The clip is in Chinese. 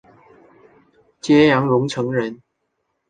揭阳榕城人。